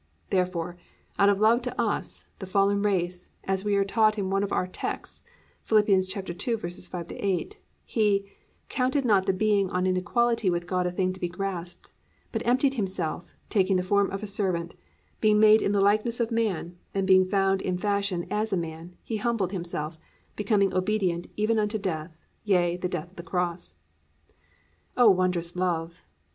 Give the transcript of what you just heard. Therefore, out of love to us, the fallen race, as we are taught in one of our texts (Phil. 2:5 8), He +"Counted not the being on an equality with God a thing to be grasped, but emptied himself, taking the form of a servant, being made in the likeness of man; and being found in fashion as a man, he humbled himself, becoming obedient even unto death, yea, the death of the cross."+ Oh, wondrous love!